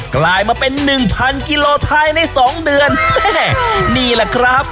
กลายมาเป็นหนึ่งพันกิโลภายในสองเดือนแม่นี่แหละครับ